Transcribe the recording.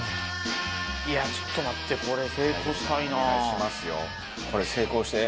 いやちょっと待ってこれ成功したいな。